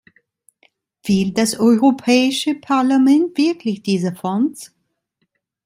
Will das Europäische Parlament wirklich diese Fonds?